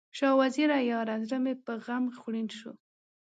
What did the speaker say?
شاه وزیره یاره، زړه مې په غم خوړین شو